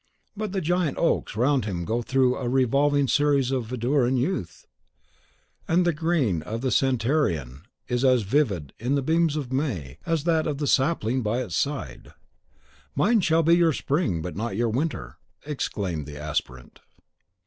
But the giant oaks round him go through a revolving series of verdure and youth, and the green of the centenarian is as vivid in the beams of May as that of the sapling by its side. "Mine shall be your spring, but not your winter!" exclaimed the aspirant.